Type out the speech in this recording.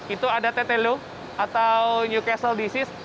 itu ada tetelu atau newcastle disease